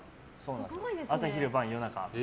朝、昼、晩、夜中。